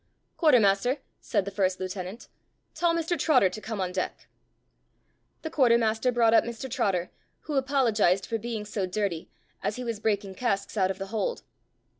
"Quarter master," said the first lieutenant, "tell Mr Trotter to come on deck." The quarter master brought up Mr Trotter, who apologised for being so dirty, as he was breaking casks out of the hold.